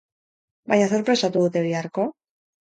Baina zer prestatu dute biharko?